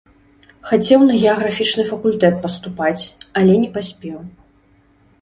Хацеў на геаграфічны факультэт паступаць, але не паспеў.